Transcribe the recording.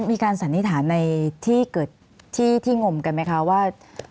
สันนิษฐานในที่เกิดที่งมกันไหมคะว่า